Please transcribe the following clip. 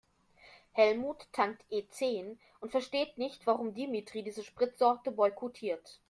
Helmut tankt E-zehn und versteht nicht, warum Dimitri diese Spritsorte boykottiert.